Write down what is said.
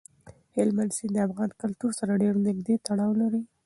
هلمند سیند د افغان کلتور سره ډېر نږدې تړاو لري.